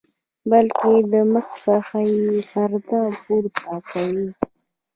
بلکې د مخ څخه یې پرده پورته کوي.